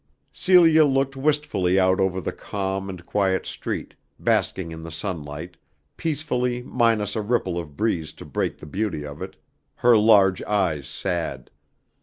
Celia looked wistfully out over the calm and quiet street, basking in the sunlight, peacefully minus a ripple of breeze to break the beauty of it, her large eyes sad.